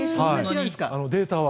データは。